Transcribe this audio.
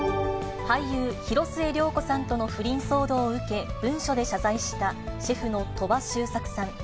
俳優、広末涼子さんとの不倫騒動を受け、文書で謝罪したシェフの鳥羽周作さん。